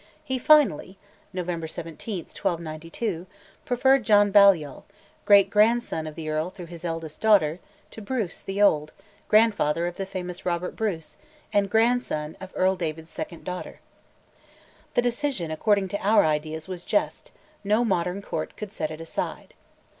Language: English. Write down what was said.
he finally (November 17, 1292) preferred John Balliol (great grandson of the earl through his eldest daughter) to Bruce the Old, grandfather of the famous Robert Bruce, and grandson of Earl David's second daughter. The decision, according to our ideas, was just; no modern court could set it aside.